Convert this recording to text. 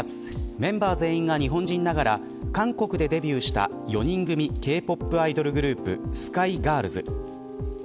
メンバー全員が日本人ながら韓国でデビューした４人組Ｋ−ＰＯＰアイドルグループＳＫＹＧＩＲＬＳ。